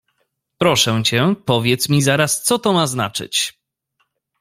Proszę cię, powiedz mi zaraz, co to ma znaczyć?…